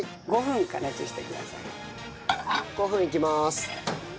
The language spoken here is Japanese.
５分いきます。